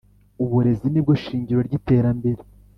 Uburezi nibwo shingiro ryiterambere .